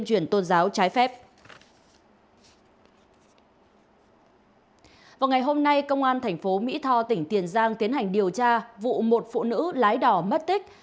ngày hôm nay công an tp mỹ tho tỉnh tiền giang tiến hành điều tra vụ một phụ nữ lái đỏ mất tích